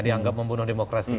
dianggap membunuh demokrasi